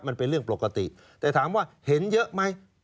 มันเป็นเรื่องปกติแต่ถามว่าเห็นเยอะไหม